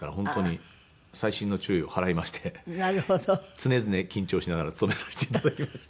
常々緊張しながら勤めさせて頂きました。